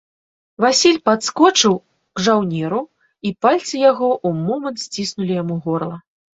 Васіль падскочыў к жаўнеру, і пальцы яго ў момант сціснулі яму горла.